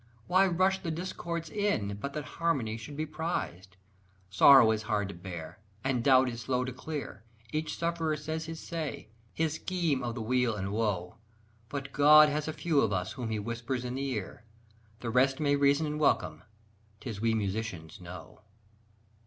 Why rushed the discords in but that harmony should be prized? Sorrow is hard to bear, and doubt is slow to clear, Each sufferer says his say, his scheme of the weal and woe: But God has a few of us whom he whispers in the ear; The rest may reason and welcome: 'tis we musicians know.